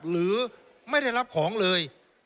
หรือไม่ได้รับของเลย